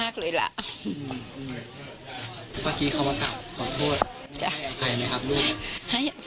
เมื่อกี้เขามากราบขอโทษจะให้อภัยไหมครับลูก